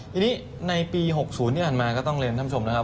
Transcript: ทีนี้ในปี๖๐ที่ผ่านมาก็ต้องเรียนท่านผู้ชมนะครับ